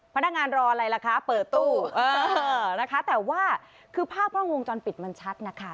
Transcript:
พนักงานรออะไรล่ะคะเปิดตู้เออนะคะแต่ว่าคือภาพกล้องวงจรปิดมันชัดนะคะ